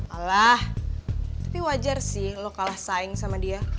alah tapi wajar sih lo kalah saing sama dia